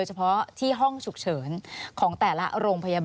สวัสดีครับ